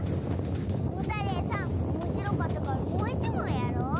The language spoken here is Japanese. モタレイさんおもしろかったからもういちもんやろう。